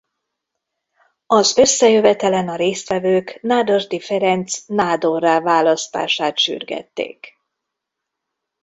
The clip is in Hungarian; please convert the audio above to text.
Az összejövetelen a résztvevők Nádasdy Ferenc nádorrá választását sürgették.